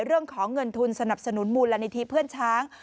เรื่องของเงินทุนสนับสนุนมูลนิธิเพื่อนช้าง